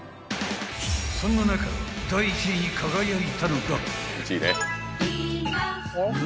［そんな中第１位に輝いたのが］